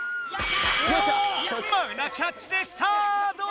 マウナキャッチでサードダウン！